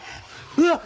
うわっ！